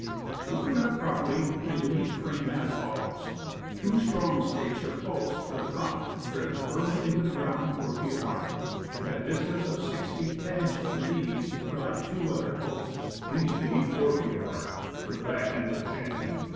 32 Woodcraft, To put it up properly, make a neat frame as fol lows: Two strong stakes or posts for the front, driven firmly in the ground 4^ feet apart; at a dis tance of 6 feet 10 inches from these, drive two other posts these to be 4 feet apart for back end of shanty.